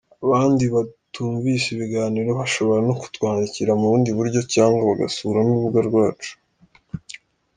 Abandi batumvise ibiganiro bashobora no kutwandikira mu bundi buryo cyangwa bagasura n’urubuga rwacu.